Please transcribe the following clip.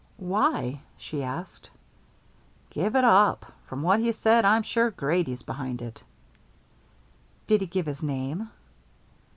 "Why?" she asked. "Give it up. From what he said, I'm sure Grady's behind it." "Did he give his name?"